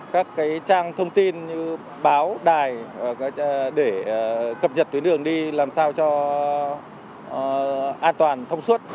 các trang thông tin như báo đài để cập nhật tuyến đường đi làm sao cho an toàn thông suốt